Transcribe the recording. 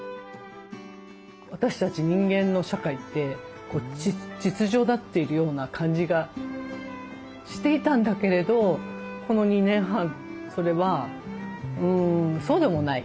私たち人間の社会って秩序だっているような感じがしていたんだけれどこの２年半それはそうでもない。